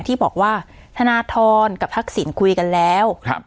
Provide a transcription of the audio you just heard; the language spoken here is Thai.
ที่บอกว่าธนทรกับทักษิณคุยกันแล้วครับ